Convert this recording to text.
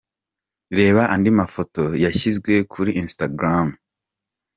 Reba andi mafoto yashyizwe kuri Instagram:.